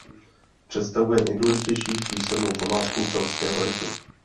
Představuje nejdůležitější písemnou památku keltského ritu.